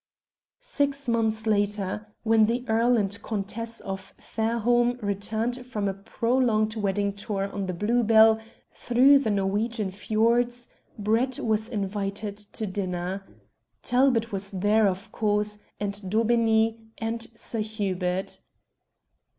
Six months later, when the Earl and Countess of Fairholme returned from a prolonged wedding tour on the Blue Bell through the Norwegian fiords, Brett was invited to dinner. Talbot was there, of course, and Daubeney, and Sir Hubert.